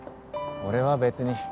俺は別に。